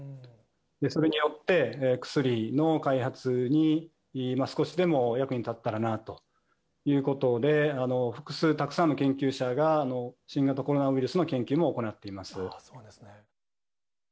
それによって、薬の開発に、少しでも役に立ったらなということで、複数、たくさんの研究者が、新型コロナウイルスの研究も行っています。